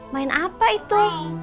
main apa itu